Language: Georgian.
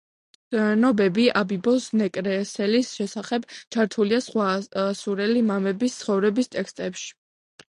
ცნობები აბიბოს ნეკრესელის შესახებ ჩართულია სხვა ასურელი მამების ცხოვრების ტექსტებში.